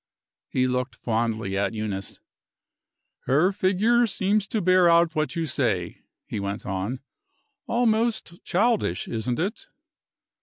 He looked fondly at Eunice. "Her figure seems to bear out what you say," he went on. "Almost childish, isn't it?"